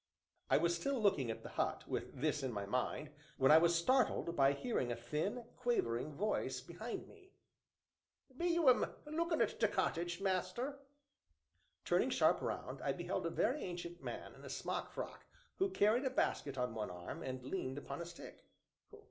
I was still looking at the hut, with this in my mind, when I was startled by hearing a thin, quavering voice behind me: "Be you 'm a lookin' at t' cottage, master?" Turning sharp round, I beheld a very ancient man in a smock frock, who carried a basket on one arm, and leaned upon a stick.